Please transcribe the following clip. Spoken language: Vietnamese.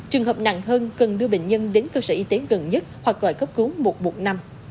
trường hợp nặng hơn cần đưa bệnh nhân đến cơ sở y tế gần nhất hoặc gọi cấp cứu một buộc năm